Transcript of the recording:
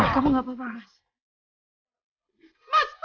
kamu gak apa apa